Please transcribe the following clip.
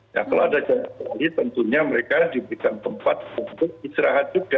nah kalau ada jalan sekali tentunya mereka diberikan tempat untuk istirahat juga